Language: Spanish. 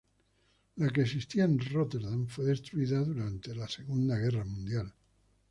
La que existía en Róterdam fue destruida durante la Segunda Guerra Mundial.